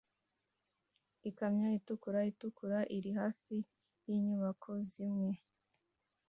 Ikamyo itukura itukura iri hafi yinyubako zimwe